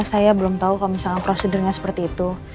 saya belum tahu kalau misalnya prosedurnya seperti itu